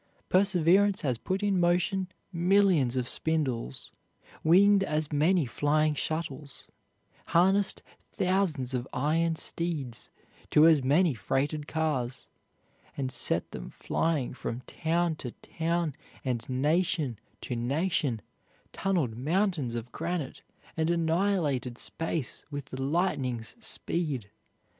Perseverance has put in motion millions of spindles, winged as many flying shuttles, harnessed thousands of iron steeds to as many freighted cars, and set them flying from town to town and nation to nation, tunneled mountains of granite, and annihilated space with the lightning's speed.